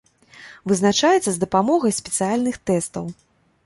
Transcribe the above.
Вызначаецца з дапамогай спецыяльных тэстаў.